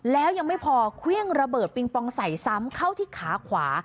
แล้วยังไม่พอเครื่องระเบิดปิงปองใส่ซ้ำเข้าที่ขาขวา